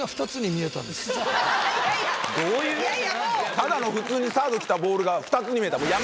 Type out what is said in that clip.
ただの普通にサードきたボールが２つに見えた？